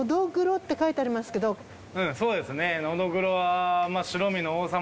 うんそうですね。